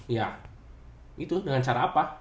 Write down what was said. ya itu dengan cara apa